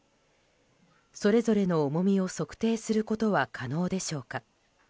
それぞれの重みを測定することは可能でしょうか。